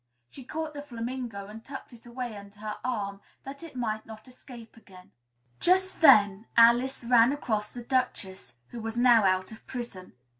She caught the flamingo and tucked it away under her arm, that it might not escape again. Just then Alice ran across the Duchess (who was now out of prison).